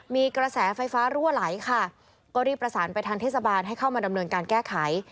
มีกระแสไฟฟ้ารั่วไหลค่ะก็รีบประสานไปทางเทศบาลให้เข้ามาดำเนินการแก้ไข